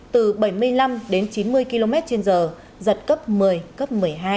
từ bảy mươi năm đến chín mươi km trên giờ giật cấp một mươi cấp một mươi hai